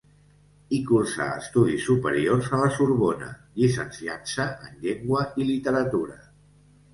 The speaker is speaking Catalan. I cursar estudis superiors a la Sorbona, llicenciant-se en Llengua i Literatura.